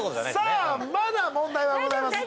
さぁまだ問題はございます。